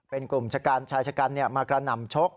เป็นกลุ่มชายชกรรมมากระหน่ำชก